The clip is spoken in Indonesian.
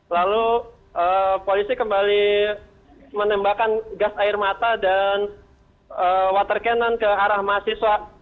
lalu polisi kembali menembakkan gas air mata dan water cannon ke arah mahasiswa